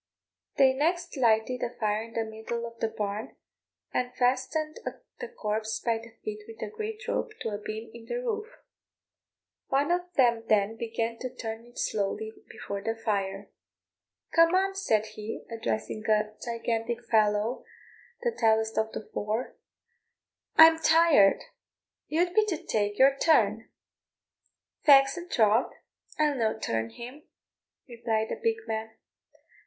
They next lighted a fire in the middle of the barn, and fastened the corpse by the feet with a great rope to a beam in the roof. One of them then began to turn it slowly before the fire. "Come on," said he, addressing a gigantic fellow, the tallest of the four "I'm tired; you be to tak' your turn." "Faix an' troth, I'll no turn him," replied the big man.